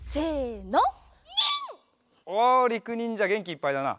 おりくにんじゃげんきいっぱいだな。